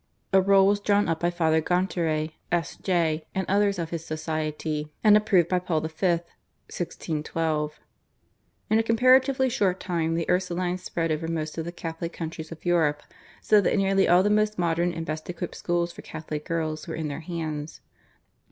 A rule was drawn up by Father Gonterey, S.J., and others of his society, and approved by Paul V. (1612). In a comparatively short time the Ursulines spread over most of the Catholic countries of Europe, so that nearly all the most modern and best equipped schools for Catholic girls were in their hands.